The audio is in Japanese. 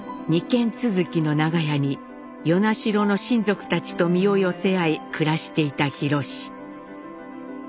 ２軒続きの長屋に与那城の親族たちと身を寄せ合い暮らしていた廣。